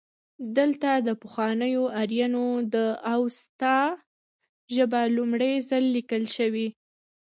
دلته د پخوانیو آرینو د اوستا ژبه لومړی ځل لیکل شوې